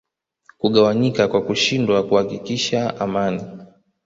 kugawanyika kwa kushindwa kuhakikisha amani